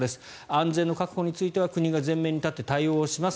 安全確保については国が前面に立って対応します